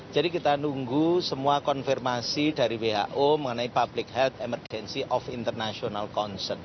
jadi kita nunggu semua konfirmasi dari who mengenai public health emergency of international concern